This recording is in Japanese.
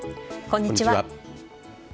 こんにちは。